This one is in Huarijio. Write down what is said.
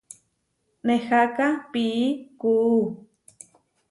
Neháka pií kuú.